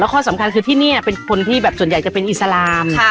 ข้อสำคัญคือที่นี่เป็นคนที่แบบส่วนใหญ่จะเป็นอิสลาม